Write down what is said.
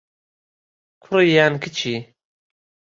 کوڕی یان کچی؟